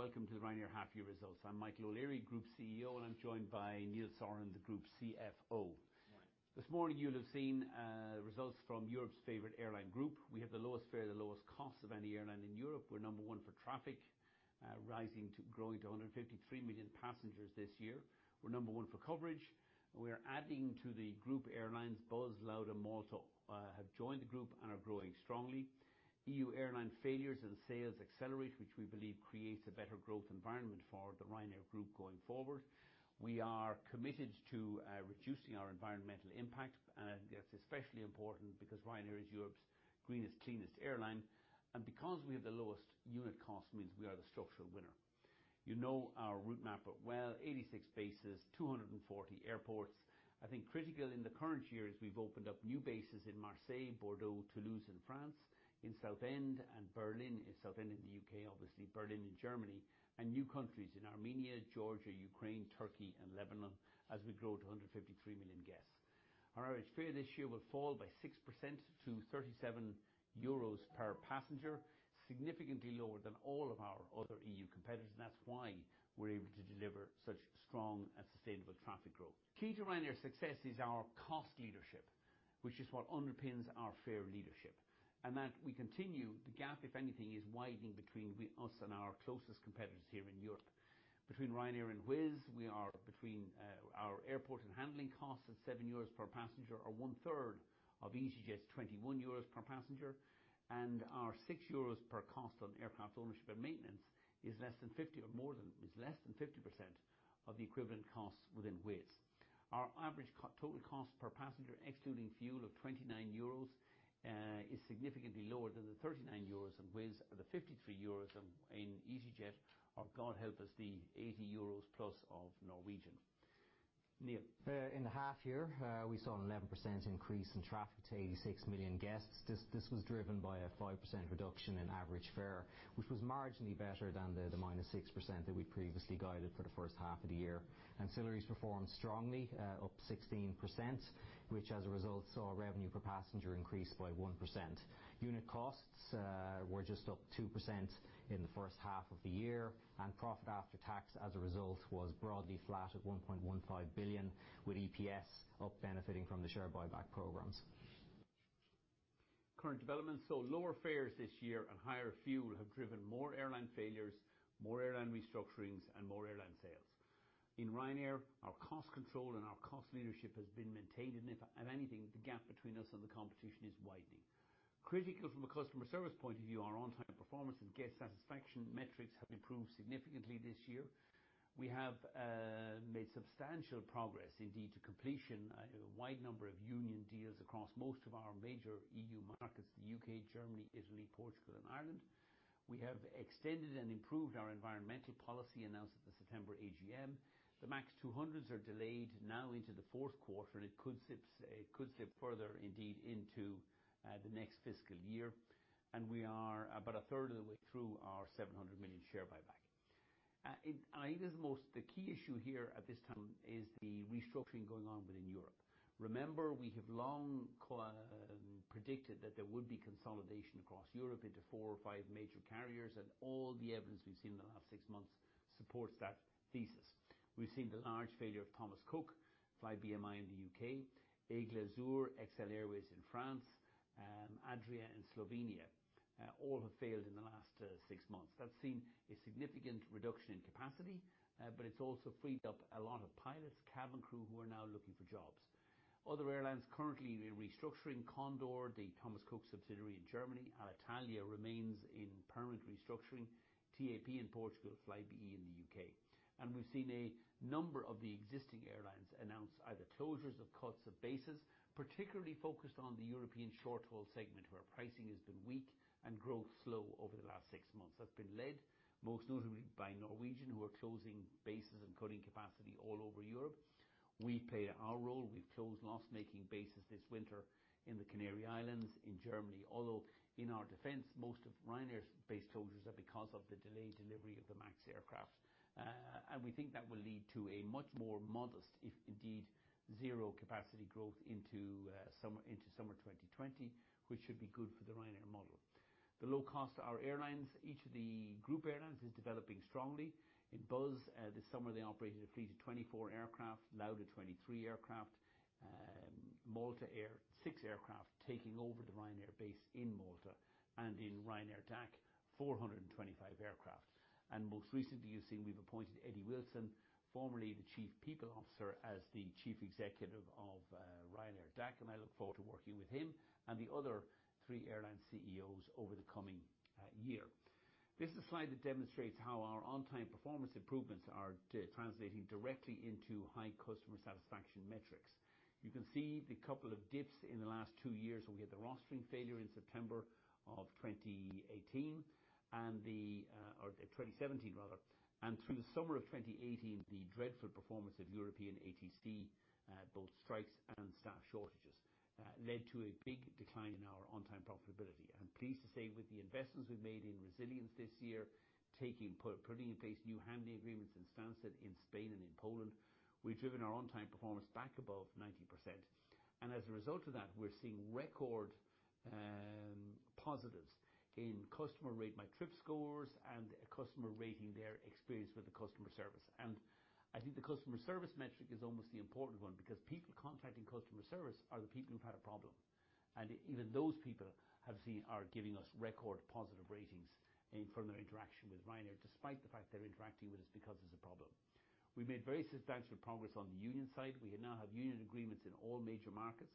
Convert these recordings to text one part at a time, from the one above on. Good morning, ladies and gentlemen. Welcome to the Ryanair half-year results. I'm Michael O'Leary, Group CEO, and I'm joined by Neil Sorahan, the Group CFO. Morning. This morning, you'll have seen results from Europe's favorite airline Group. We have the lowest fare, the lowest cost of any airline in Europe. We're number one for traffic, growing to 153 million passengers this year. We're number one for coverage. We are adding to the Group airlines. Buzz, Lauda, Malta have joined the Group and are growing strongly. EU airline failures and sales accelerate, which we believe creates a better growth environment for the Ryanair Group going forward. We are committed to reducing our environmental impact. I think that's especially important because Ryanair is Europe's greenest, cleanest airline. Because we have the lowest unit cost, means we are the structural winner. You know our route map well, 86 bases, 240 airports. I think critical in the current year is we've opened up new bases in Marseille, Bordeaux, Toulouse in France, in Southend and Berlin. In Southend in the U.K. obviously, Berlin in Germany. New countries in Armenia, Georgia, Ukraine, Turkey and Lebanon as we grow to 153 million guests. Our average fare this year will fall by 6% to 37 euros per passenger, significantly lower than all of our other EU competitors. That's why we're able to deliver such strong and sustainable traffic growth. Key to Ryanair's success is our cost leadership, which is what underpins our fare leadership. That we continue, the gap, if anything, is widening between us and our closest competitors here in Europe. Between Ryanair and Wizz, our airport and handling costs at 7 euros per passenger are one third of EasyJet's 21 euros per passenger, and our 6 euros per cost on aircraft ownership and maintenance is less than 50% of the equivalent costs within Wizz. Our average total cost per passenger excluding fuel of 29 euros, is significantly lower than the 39 euros in Wizz or the 53 euros in EasyJet, or, God help us, the 80+ euros of Norwegian. Neil. In the half year, we saw an 11% increase in traffic to 86 million guests. This was driven by a 5% reduction in average fare, which was marginally better than the -6% that we'd previously guided for the first half of the year. ancillaries performed strongly, up 16%, which as a result saw revenue per passenger increase by 1%. Unit costs were just up 2% in the first half of the year, and profit after tax, as a result, was broadly flat at 1.15 billion, with EPS up benefiting from the share buyback programs. Current developments. Lower fares this year and higher fuel have driven more airline failures, more airline restructurings, and more airline sales. In Ryanair, our cost control and our cost leadership has been maintained, and if anything, the gap between us and the competition is widening. Critical from a customer service point of view, our on-time performance and guest satisfaction metrics have improved significantly this year. We have made substantial progress indeed to completion, a wide number of union deals across most of our major EU markets, the U.K., Germany, Italy, Portugal and Ireland. We have extended and improved our environmental policy announced at the September AGM. The MAX 200s are delayed now into the fourth quarter, and it could slip further indeed into the next fiscal year. We are about a third of the way through our 700 million share buyback. I think the key issue here at this time is the restructuring going on within Europe. Remember, we have long predicted that there would be consolidation across Europe into four or five major carriers, and all the evidence we've seen in the last six months supports that thesis. We've seen the large failure of Thomas Cook, Flybmi in the U.K., Aigle Azur, XL Airways in France, Adria in Slovenia. All have failed in the last six months. That's seen a significant reduction in capacity. It's also freed up a lot of pilots, cabin crew, who are now looking for jobs. Other airlines currently in restructuring, Condor, the Thomas Cook subsidiary in Germany, Alitalia remains in permanent restructuring, TAP in Portugal, Flybe in the U.K. We've seen a number of the existing airlines announce either closures of cuts of bases, particularly focused on the European short-haul segment, where pricing has been weak and growth slow over the last six months. That's been led most notably by Norwegian, who are closing bases and cutting capacity all over Europe. We play our role. We've closed loss-making bases this winter in the Canary Islands, in Germany. Although, in our defense, most of Ryanair's base closures are because of the delayed delivery of the MAX aircraft. We think that will lead to a much more modest, if indeed zero capacity growth into summer 2020, which should be good for the Ryanair model. The low cost to our airlines. Each of the group airlines is developing strongly. Buzz, this summer they operated a fleet of 24 aircraft, Lauda 23 aircraft, Malta Air six aircraft taking over the Ryanair base in Malta, and in Ryanair DAC, 425 aircraft. Most recently you've seen we've appointed Eddie Wilson, formerly the chief people officer, as the chief executive of Ryanair DAC, and I look forward to working with him and the other three airline CEOs over the coming year. This is a slide that demonstrates how our on-time performance improvements are translating directly into high customer satisfaction metrics. You can see the couple of dips in the last two years when we had the rostering failure in September of 2018, or 2017 rather. Through the summer of 2018, the dreadful performance of European ATC, both strikes and staff shortages, led to a big decline in our on-time profitability. I'm pleased to say with the investments we've made in resilience this year, putting in place new handling agreements in Stansted, in Spain and in Poland, we've driven our on-time performance back above 90%. As a result of that, we're seeing record positives in customer Rate My Flight scores and a customer rating their experience with the customer service. I think the customer service metric is almost the important one, because people contacting customer service are the people who've had a problem. Even those people are giving us record positive ratings from their interaction with Ryanair, despite the fact they're interacting with us because there's a problem. We've made very substantial progress on the union side. We now have union agreements in all major markets.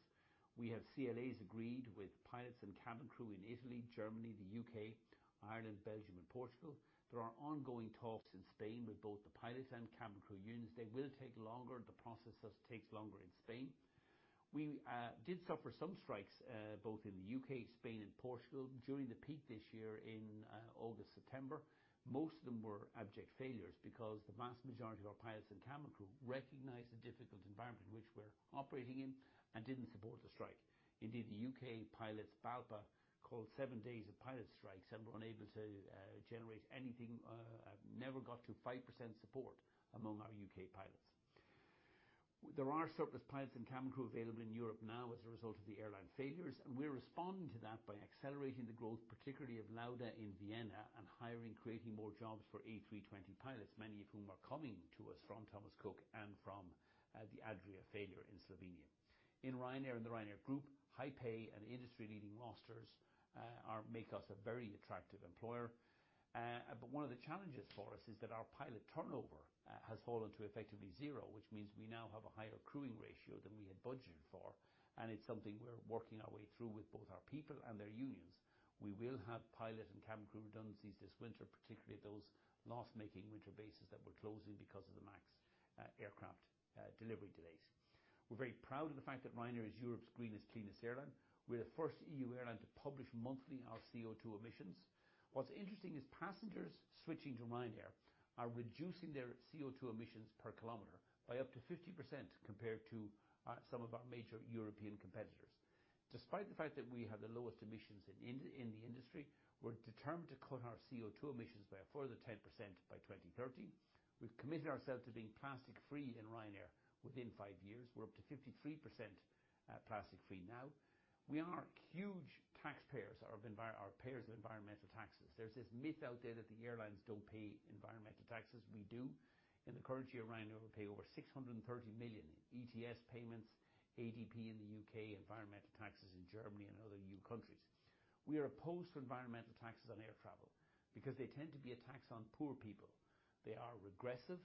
We have CLAs agreed with pilots and cabin crew in Italy, Germany, the U.K., Ireland, Belgium and Portugal. There are ongoing talks in Spain with both the pilots and cabin crew unions. They will take longer. The process just takes longer in Spain. We did suffer some strikes, both in the U.K., Spain and Portugal during the peak this year in August, September. Most of them were abject failures because the vast majority of our pilots and cabin crew recognized the difficult environment in which we're operating in and didn't support the strike. Indeed, the U.K. pilots, BALPA, called seven days of pilot strikes and were unable to generate anything. Never got to 5% support among our U.K. pilots. There are surplus pilots and cabin crew available in Europe now as a result of the airline failures. We're responding to that by accelerating the growth, particularly of Lauda in Vienna and hiring, creating more jobs for A320 pilots, many of whom are coming to us from Thomas Cook and from the Adria failure in Slovenia. In Ryanair and the Ryanair Group, high pay and industry-leading rosters make us a very attractive employer. One of the challenges for us is that our pilot turnover has fallen to effectively zero, which means we now have a higher crewing ratio than we had budgeted for, and it's something we're working our way through with both our people and their unions. We will have pilot and cabin crew redundancies this winter, particularly at those loss-making winter bases that we're closing because of the MAX aircraft delivery delays. We're very proud of the fact that Ryanair is Europe's greenest, cleanest airline. We're the first EU airline to publish monthly our CO2 emissions. What's interesting is passengers switching to Ryanair are reducing their CO2 emissions per kilometer by up to 50% compared to some of our major European competitors. Despite the fact that we have the lowest emissions in the industry, we're determined to cut our CO2 emissions by a further 10% by 2030. We've committed ourselves to being plastic free in Ryanair within five years. We're up to 53% plastic free now. We are huge taxpayers or payers of environmental taxes. There's this myth out there that the airlines don't pay environmental taxes. We do. In the current year, Ryanair will pay over 630 million in ETS payments, APD in the U.K., environmental taxes in Germany and other EU countries. We are opposed to environmental taxes on air travel because they tend to be a tax on poor people. They are regressive.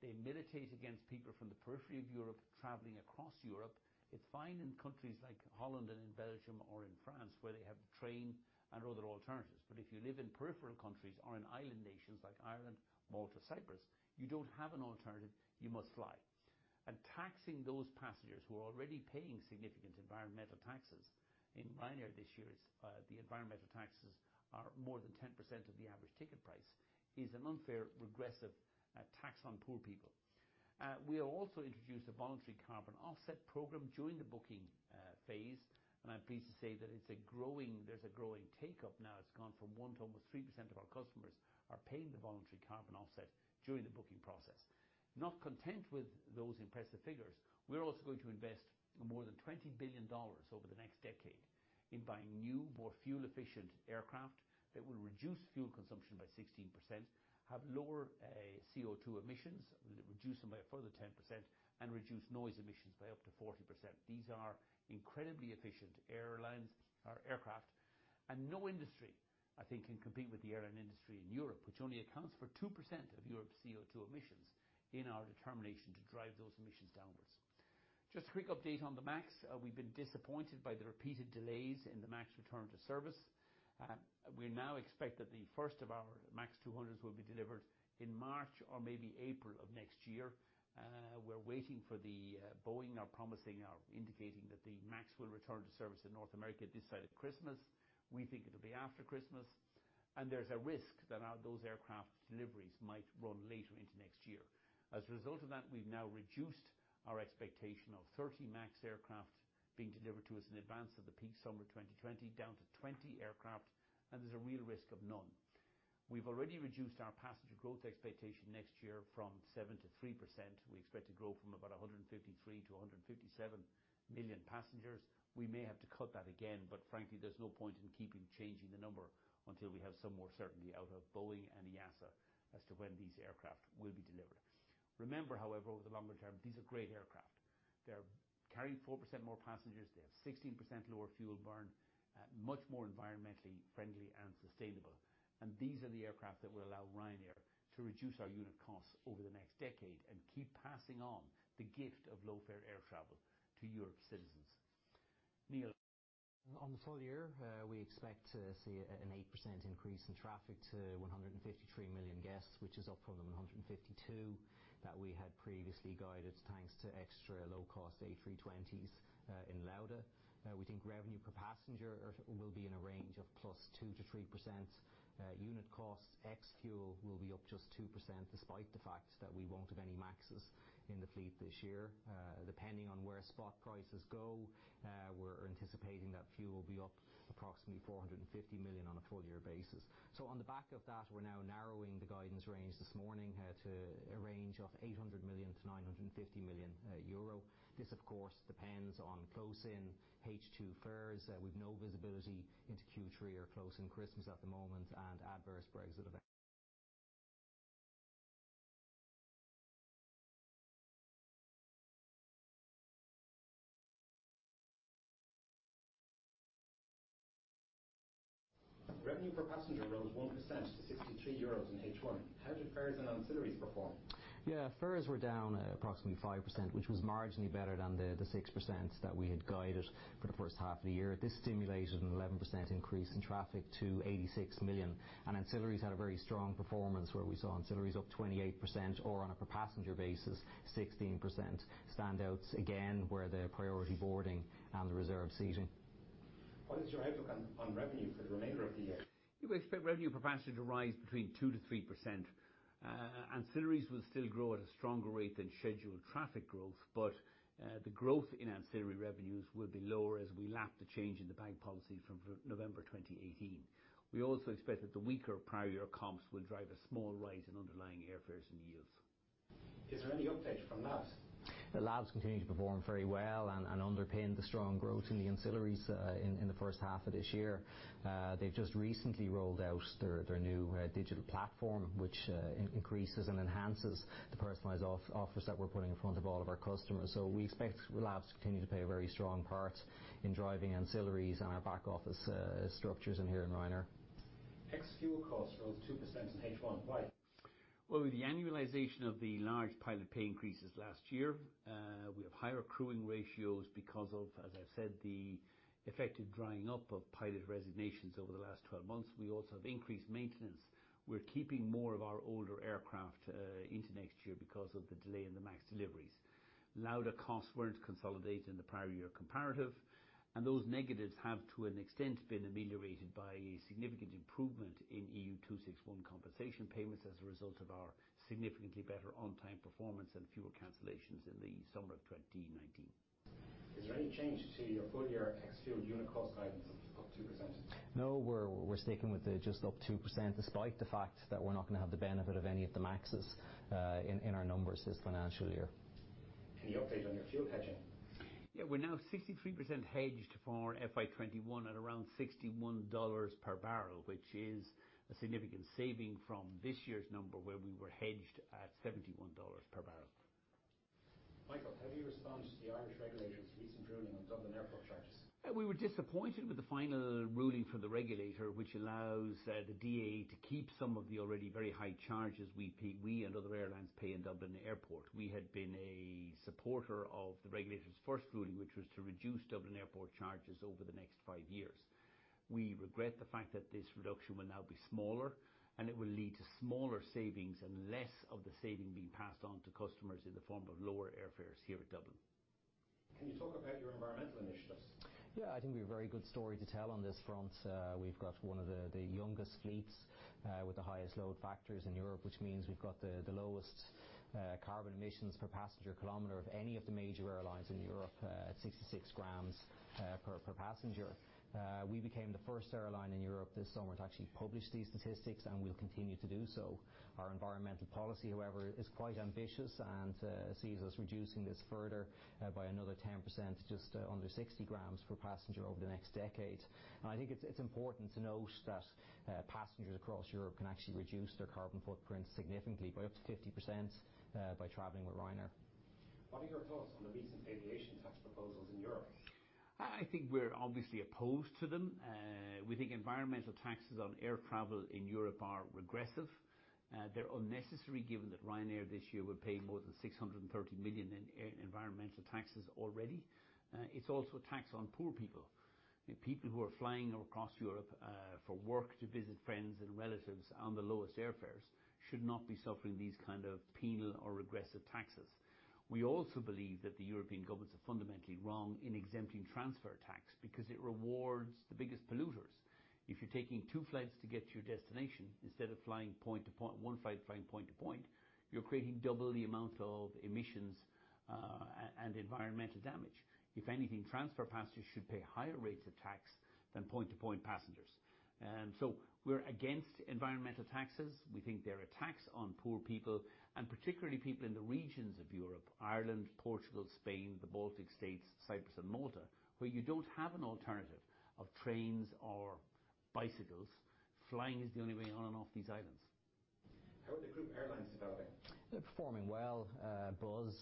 They militate against people from the periphery of Europe traveling across Europe. It's fine in countries like Holland and in Belgium or in France, where they have train and other alternatives. If you live in peripheral countries or in island nations like Ireland, Malta, Cyprus, you don't have an alternative, you must fly. Taxing those passengers who are already paying significant environmental taxes, in Ryanair this year, the environmental taxes are more than 10% of the average ticket price, is an unfair regressive tax on poor people. We have also introduced a voluntary carbon offset program during the booking phase, and I'm pleased to say that there's a growing take-up now. It's gone from 1% to almost 3% of our customers are paying the voluntary carbon offset during the booking process. Not content with those impressive figures, we're also going to invest more than EUR 20 billion over the next decade in buying new, more fuel-efficient aircraft that will reduce fuel consumption by 16%, have lower CO2 emissions, reduce them by a further 10%, and reduce noise emissions by up to 40%. No industry, I think, can compete with the airline industry in Europe, which only accounts for 2% of Europe's CO2 emissions, in our determination to drive those emissions downwards. Just a quick update on the MAX. We've been disappointed by the repeated delays in the MAX return to service. We now expect that the first of our MAX 200s will be delivered in March or maybe April of next year. We're waiting for Boeing are promising or indicating that the MAX will return to service in North America this side of Christmas. We think it'll be after Christmas, and there's a risk that those aircraft deliveries might run later into next year. As a result of that, we've now reduced our expectation of 30 MAX aircraft being delivered to us in advance of the peak summer 2020 down to 20 aircraft, and there's a real risk of none. We've already reduced our passenger growth expectation next year from 7%-3%. We expect to grow from about 153 million-157 million passengers. We may have to cut that again, but frankly, there's no point in keeping changing the number until we have some more certainty out of Boeing and EASA as to when these aircraft will be delivered. Remember, however, over the longer term, these are great aircraft. They're carrying 4% more passengers. They have 16% lower fuel burn, much more environmentally friendly and sustainable. These are the aircraft that will allow Ryanair to reduce our unit costs over the next decade and keep passing on the gift of low-fare air travel to Europe's citizens. Neil? On the full year, we expect to see an 8% increase in traffic to 153 million guests, which is up from the 152 that we had previously guided, thanks to extra low-cost A320s in Lauda. We think revenue per passenger will be in a range of +2% to 3%. Unit cost ex fuel will be up just 2%, despite the fact that we won't have any MAXs in the fleet this year. Depending on where spot prices go, we're anticipating that fuel will be up approximately 450 million. On a full year basis, we're now narrowing the guidance range this morning to a range of 800 million to 950 million euro. This, of course, depends on close-in H2 fares, with no visibility into Q3 or close in Christmas at the moment and adverse Brexit e- Revenue per passenger rose 1% to 63 euros in H1. How did fares and ancillaries perform? Yeah. Fares were down approximately 5%, which was marginally better than the 6% that we had guided for the first half of the year. This stimulated an 11% increase in traffic to 86 million. Ancillaries had a very strong performance where we saw ancillaries up 28% or on a per passenger basis, 16%. Standouts, again, were the Priority Boarding and the Reserved Seating. What is your outlook on revenue for the remainder of the year? We expect revenue per passenger to rise between 2%-3%. Ancillaries will still grow at a stronger rate than scheduled traffic growth, but the growth in ancillary revenues will be lower as we lap the change in the bag policy from November 2018. We also expect that the weaker prior year comps will drive a small rise in underlying airfares and yields. Is there any update from Labs? The Labs continue to perform very well and underpin the strong growth in the ancillaries in the first half of this year. They've just recently rolled out their new digital platform, which increases and enhances the personalized offers that we're putting in front of all of our customers. We expect Labs to continue to play a very strong part in driving ancillaries and our back office structures in here in Ryanair. Ex fuel costs rose 2% in H1. Why? Well, with the annualization of the large pilot pay increases last year, we have higher crewing ratios because of, as I've said, the effective drying up of pilot resignations over the last 12 months. We also have increased maintenance. We're keeping more of our older aircraft into next year because of the delay in the MAX deliveries. Lauda costs weren't consolidated in the prior year comparative, and those negatives have, to an extent, been ameliorated by a significant improvement in EU 261 compensation payments as a result of our significantly better on-time performance and fewer cancellations in the summer of 2019. Is there any change to your full year ex fuel unit cost guidance of up 2%? No, we're sticking with the just up 2%, despite the fact that we're not going to have the benefit of any of the MAXs in our numbers this financial year. Any update on your fuel hedging? Yeah. We're now 63% hedged for FY 2021 at around $61 per barrel, which is a significant saving from this year's number where we were hedged at $71 per barrel. Michael, how do you respond to the Irish regulator's recent ruling on Dublin Airport charges? We were disappointed with the final ruling for the regulator, which allows the DAA to keep some of the already very high charges we and other airlines pay in Dublin Airport. We had been a supporter of the regulator's first ruling, which was to reduce Dublin Airport charges over the next five years. We regret the fact that this reduction will now be smaller, and it will lead to smaller savings and less of the saving being passed on to customers in the form of lower airfares here at Dublin. Can you talk about your environmental initiatives? Yeah, I think we've a very good story to tell on this front. We've got one of the youngest fleets with the highest load factors in Europe, which means we've got the lowest carbon emissions per passenger kilometer of any of the major airlines in Europe at 66 grams per passenger. We became the first airline in Europe this summer to actually publish these statistics, and we'll continue to do so. Our environmental policy, however, is quite ambitious and sees us reducing this further by another 10% to just under 60 grams per passenger over the next decade. I think it's important to note that passengers across Europe can actually reduce their carbon footprint significantly by up to 50% by traveling with Ryanair. What are your thoughts on the recent aviation tax proposals in Europe? I think we're obviously opposed to them. We think environmental taxes on air travel in Europe are regressive. They're unnecessary given that Ryanair this year will pay more than 630 million in environmental taxes already. It's also a tax on poor people. People who are flying across Europe for work to visit friends and relatives on the lowest airfares should not be suffering these kind of penal or regressive taxes. We also believe that the European governments are fundamentally wrong in exempting transfer tax because it rewards the biggest polluters. If you're taking two flights to get to your destination instead of flying point to point, one flight flying point to point, you're creating double the amount of emissions and environmental damage. If anything, transfer passengers should pay higher rates of tax than point to point passengers. We're against environmental taxes. We think they're a tax on poor people, particularly people in the regions of Europe, Ireland, Portugal, Spain, the Baltic States, Cyprus and Malta, where you don't have an alternative of trains or bicycles. Flying is the only way on and off these islands. How are the group airlines developing? They're performing well. Buzz,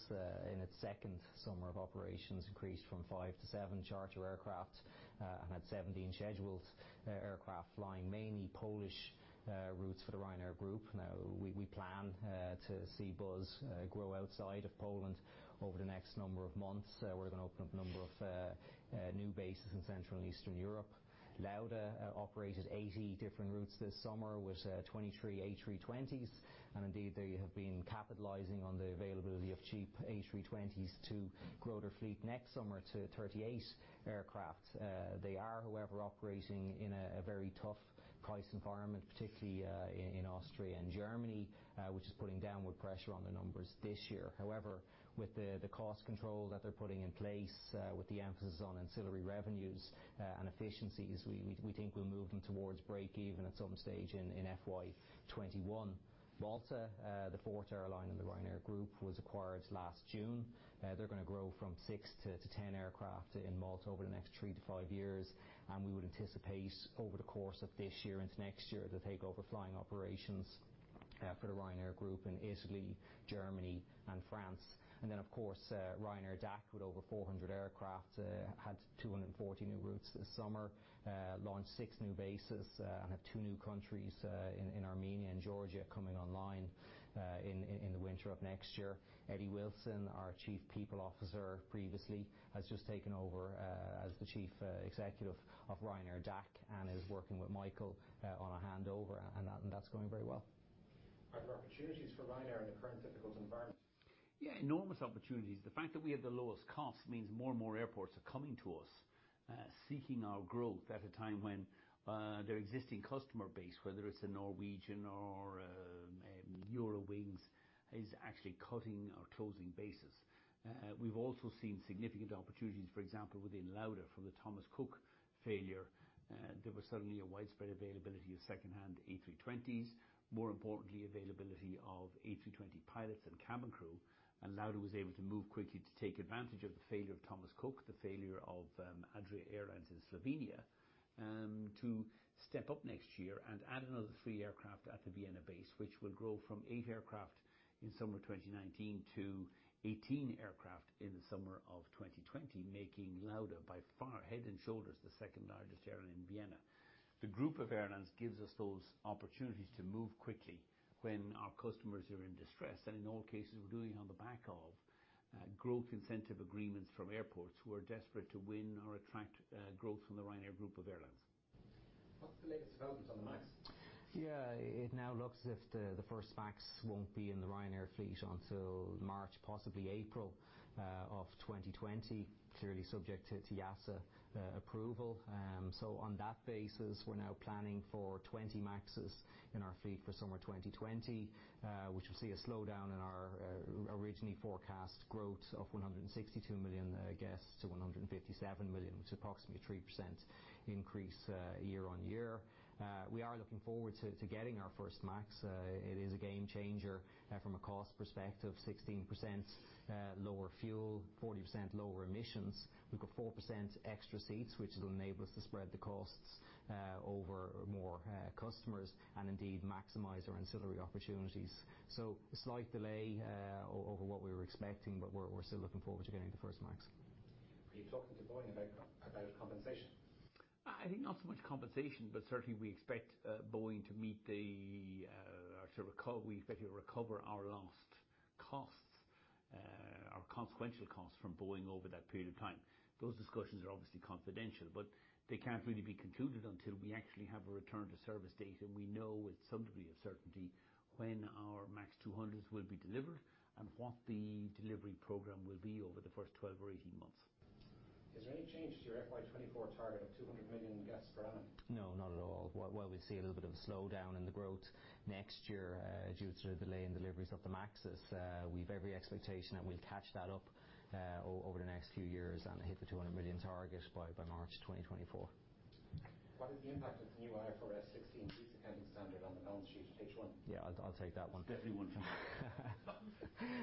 in its second summer of operations, increased from 5 to 7 charter aircraft and had 17 scheduled aircraft flying mainly Polish routes for the Ryanair Group. We plan to see Buzz grow outside of Poland over the next number of months. We're going to open up a number of new bases in Central and Eastern Europe. Lauda operated 80 different routes this summer with 23 A320s, and indeed, they have been capitalizing on the availability of cheap A320s to grow their fleet next summer to 38 aircraft. They are, however, operating in a very tough price environment, particularly in Austria and Germany, which is putting downward pressure on the numbers this year. However, with the cost control that they're putting in place, with the emphasis on ancillary revenues and efficiencies, we think we'll move them towards break even at some stage in FY 2021. Malta, the 4th airline in the Ryanair Group, was acquired last June. They're going to grow from six to 10 aircraft in Malta over the next three to five years, and we would anticipate over the course of this year into next year to take over flying operations for the Ryanair Group in Italy, Germany, and France. Of course, Ryanair DAC, with over 400 aircraft, had 240 new routes this summer, launched six new bases, and have two new countries in Armenia and Georgia coming online in the winter of next year. Eddie Wilson, our Chief People Officer previously, has just taken over as the Chief Executive of Ryanair DAC and is working with Michael on a handover, and that's going very well. Are there opportunities for Ryanair in the current difficult environment? Yeah, enormous opportunities. The fact that we have the lowest cost means more and more airports are coming to us, seeking our growth at a time when their existing customer base, whether it's a Norwegian or a Eurowings, is actually cutting or closing bases. We've also seen significant opportunities, for example, within Lauda from the Thomas Cook failure. There was suddenly a widespread availability of secondhand A320s, more importantly, availability of A320 pilots and cabin crew. Lauda was able to move quickly to take advantage of the failure of Thomas Cook, the failure of Adria Airways in Slovenia, to step up next year and add another three aircraft at the Vienna base, which will grow from eight aircraft in summer 2019 to 18 aircraft in the summer of 2020, making Lauda by far, head and shoulders, the second-largest airline in Vienna. The group of airlines gives us those opportunities to move quickly when our customers are in distress. In all cases, we're doing it on the back of growth incentive agreements from airports who are desperate to win or attract growth from the Ryanair Group of airlines. What's the latest developments on the MAX? It now looks as if the first MAX won't be in the Ryanair fleet until March, possibly April of 2020, clearly subject to EASA approval. On that basis, we're now planning for 20 MAXs in our fleet for summer 2020, which will see a slowdown in our originally forecast growth of 162 million guests to 157 million, which is approximately a 3% increase year-on-year. We are looking forward to getting our first MAX. It is a game changer from a cost perspective, 16% lower fuel, 40% lower emissions. We've got 4% extra seats, which will enable us to spread the costs over more customers and indeed maximize our ancillary opportunities. A slight delay over what we were expecting, but we're still looking forward to getting the first MAX. Are you talking to Boeing about compensation? I think not so much compensation, but certainly we expect to recover our lost costs, our consequential costs from Boeing over that period of time. Those discussions are obviously confidential, they can't really be concluded until we actually have a return to service date and we know with some degree of certainty when our MAX 200s will be delivered and what the delivery program will be over the first 12 or 18 months. Is there any change to your FY 2024 target of 200 million guests per annum? No, not at all. While we see a little bit of a slowdown in the growth next year due to the delay in deliveries of the MAXs, we've every expectation that we'll catch that up over the next few years and hit the 200 million target by March 2024. What is the impact of the new IFRS 16 lease accounting standard on the balance sheet? Take one. Yeah, I'll take that one. It's definitely one for Michael.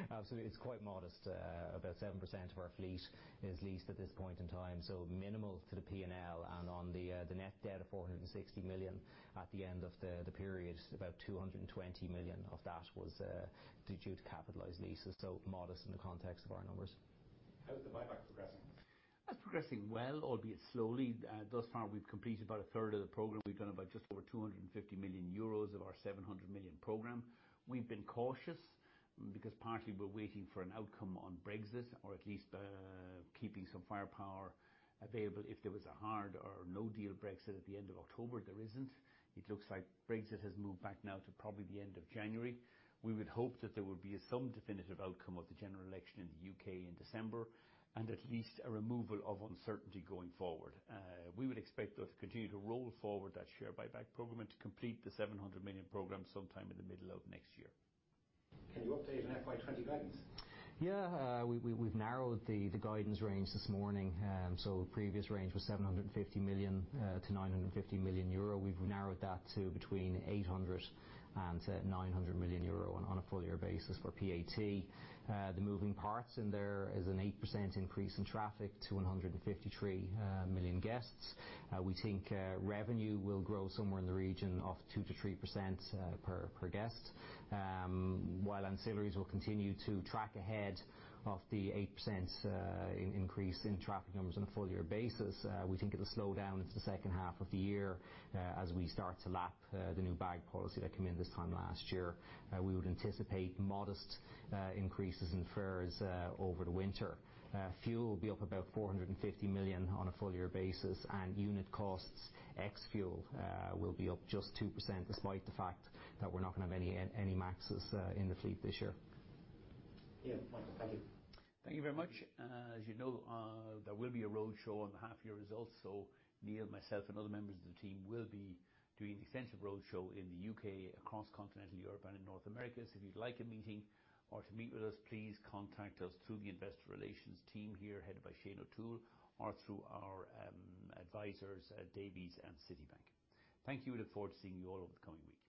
Absolutely. It's quite modest. About 7% of our fleet is leased at this point in time, so minimal to the P&L and on the net debt of 460 million at the end of the period, about 220 million of that was due to capitalized leases, so modest in the context of our numbers. How's the buyback progressing? It's progressing well, albeit slowly. Thus far, we've completed about a third of the program. We've done about just over 250 million euros of our 700 million program. We've been cautious because partly we're waiting for an outcome on Brexit, or at least keeping some firepower available if there was a hard or no-deal Brexit at the end of October. There isn't. It looks like Brexit has moved back now to probably the end of January. We would hope that there would be some definitive outcome of the general election in the U.K. in December and at least a removal of uncertainty going forward. We would expect, though, to continue to roll forward that share buyback program and to complete the 700 million program sometime in the middle of next year. Can you update on FY 2020 guidance? We've narrowed the guidance range this morning. Previous range was 750 million-950 million euro. We've narrowed that to between 800 million euro and 900 million euro on a full-year basis for PAT. The moving parts in there is an 8% increase in traffic to 153 million guests. We think revenue will grow somewhere in the region of 2% to 3% per guest. While ancillaries will continue to track ahead of the 8% increase in traffic numbers on a full-year basis, we think it'll slow down into the second half of the year as we start to lap the new bag policy that came in this time last year. We would anticipate modest increases in fares over the winter. Fuel will be up about 450 million on a full-year basis, and unit costs ex fuel will be up just 2%, despite the fact that we're not going to have any MAXs in the fleet this year. Neil, Michael, thank you. Thank you very much. As you know, there will be a roadshow on the half-year results, Neil, myself, and other members of the team will be doing the extensive roadshow in the U.K., across continental Europe, and in North America. If you'd like a meeting or to meet with us, please contact us through the investor relations team here, headed by Shane O'Toole, or through our advisors at Davy and Citi. Thank you. Look forward to seeing you all over the coming week.